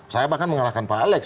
saya bahkan mengalahkan pak alex